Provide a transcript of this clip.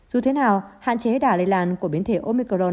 dù thế nào hạn chế đà lây lan của biến thể omicron